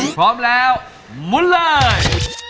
พร้อมแล้วมุนเลย